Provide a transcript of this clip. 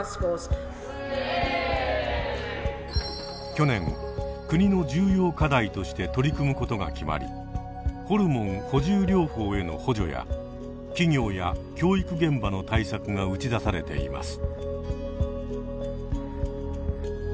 去年国の重要課題として取り組むことが決まりホルモン補充療法への補助や企業や教育現場の対策が打ち出されています。